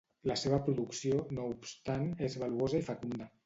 La seva producció, no obstant és valuosa i fecunda.